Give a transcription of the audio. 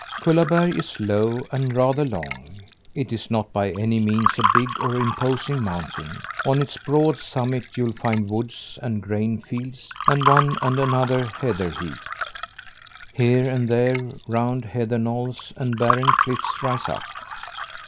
Kullaberg is low and rather long. It is not by any means a big or imposing mountain. On its broad summit you'll find woods and grain fields, and one and another heather heath. Here and there, round heather knolls and barren cliffs rise up.